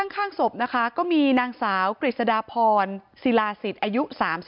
ข้างศพนะคะก็มีนางสาวกฤษฎาพรศิลาศิษย์อายุ๓๒